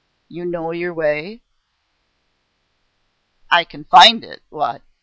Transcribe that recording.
You know your way?" "I can find it, what?"